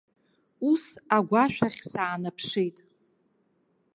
Ус агәашәахь саанаԥшит.